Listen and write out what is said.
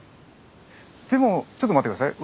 でもちょっと待って下さい。